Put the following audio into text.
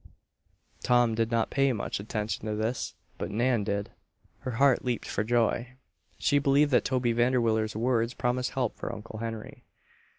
Tom did not pay much attention to this; but Nan did. Her heart leaped for joy. She believed that Toby Vanderwiller's words promised help for Uncle Henry.